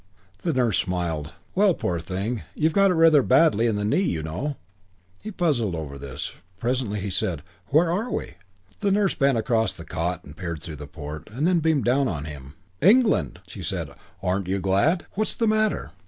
The nurse smiled. "Well, poor thing, you've got it rather badly in the knee, you know." He puzzled over this. Presently he said, "Where are we?" The nurse bent across the cot and peered through the port; then beamed down on him: "England!" She said, "Aren't you glad? What's the matter?"